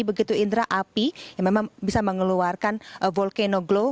begitu indra api yang memang bisa mengeluarkan volcano glow